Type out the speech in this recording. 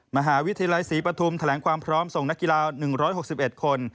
มหาวิทยาลัยศรีปฐุมแถลงความพร้อมส่งนักกีฬา๑๖๑คน